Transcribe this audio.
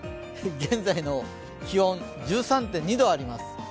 現在の気温１３．２度あります。